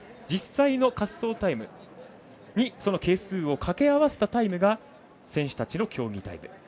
実際の滑走タイムにその係数をかけ合わせたタイムが選手たちの競技タイム。